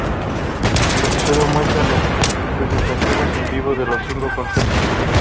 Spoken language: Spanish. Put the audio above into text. El episodio muestra las presentaciones en vivo de los cinco conceptos.